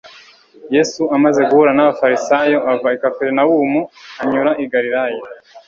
Yesu amaze guhura n'abafarisayo, ava i Kaperinaumu anyura i Galilaya